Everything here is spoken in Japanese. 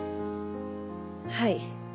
はい。